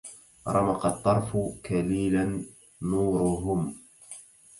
رمق الطرف كليلا نورهم